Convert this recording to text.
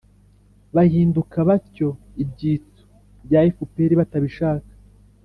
bahinduka batyo ibyitso bya fpr batabishaka